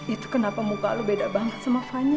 itu kenapa muka lo beda banget sama fanny